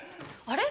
あれ？